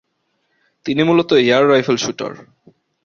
তিনি মূলত air rifle shooter.